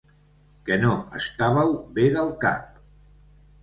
Que no estàveu bé del cap.